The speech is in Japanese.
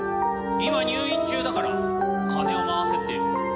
今入院中だから金を回せってよ。